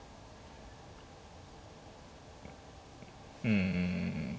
うん。